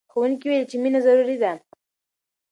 ښوونکي وویل چې مینه ضروري ده.